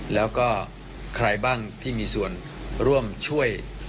แล้วก็ใครบ้างที่มีส่วนร่วมช่วย